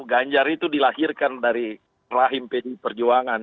ganjar itu dilahirkan dari rahim pdi perjuangan